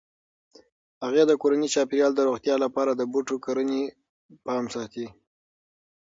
هغې د کورني چاپیریال د روغتیا لپاره د بوټو کرنې پام ساتي.